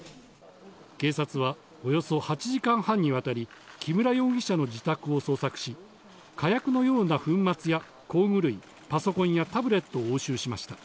警察は、およそ８時間半にわたり、木村容疑者の自宅を捜索し、火薬のような粉末や工具類、パソコンやタブレットを押収しました。